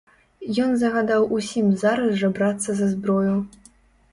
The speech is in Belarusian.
Ён загадаў усім зараз жа брацца за зброю.